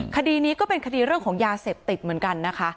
คดีนี้ก็เป็นคดีเรื่องของยาเสพติดเหมือนกันนะคะ